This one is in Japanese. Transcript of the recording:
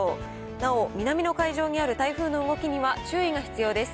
なお、南の海上にある台風の動きには注意が必要です。